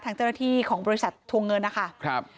ทางเจ้าหน้าที่ของบริษัททวงเงินนะคะครับ